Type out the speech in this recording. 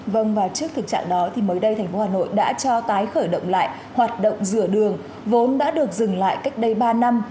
vâng và trước thực trạng đó thì mới đây thành phố hà nội đã cho tái khởi động lại hoạt động rửa đường vốn đã được dừng lại cách đây ba năm